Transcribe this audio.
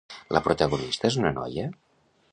La protagonista és una noia?